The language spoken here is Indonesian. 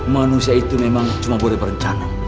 manusia itu memang cuma boleh berencana